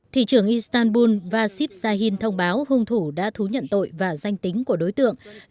thị trưởng istanbul vasip sahin thông báo hung thủ đã thú nhận tội và danh tính của đối tượng